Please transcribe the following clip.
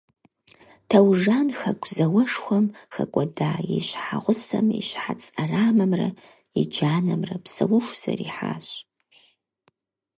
Таужан хэку зауэшхуэм хэкӏуэдэ и щхьэгъусэм и щхьэц ӏэрамэмрэ и джанэмрэ псэуху зэриыхьащ.